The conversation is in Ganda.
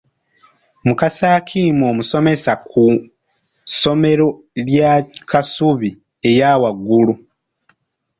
Mukasa Hakim omusomesa ku ssomero lya Kasubi eya waGgulu.